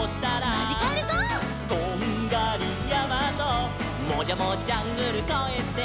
「トンガリやまともじゃもジャングルこえて」